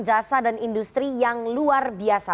jasa dan industri yang luar biasa